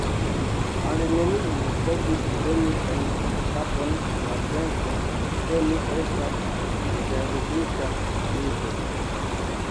Al neniu povis veni en la kapon la penso, ke mi estas enterigita vive.